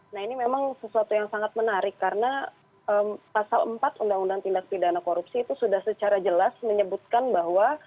nah ini memang sesuatu yang sangat menarik karena pasal empat undang undang tindak pidana korupsi itu sudah secara jelas menyebutkan bahwa